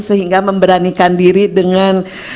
sehingga memberanikan diri dengan